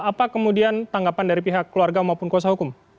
apa kemudian tanggapan dari pihak keluarga maupun kuasa hukum